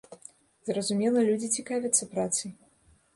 Зразумела, людзі цікавяцца працай.